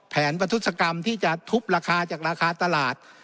แผนประทุศกรรมที่จะทุบราคาจากราคาตลาด